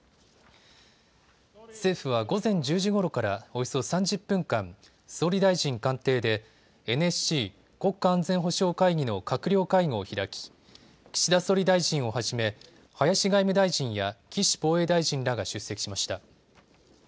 政府は午前１０時ごろからおよそ３０分間、総理大臣官邸でＮＳＣ・国家安全保障会議の閣僚会合を開き岸田総理大臣をはじめ林外務大臣や岸防衛大臣らが出席しました。